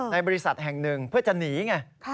บริษัทแห่งหนึ่งเพื่อจะหนีไง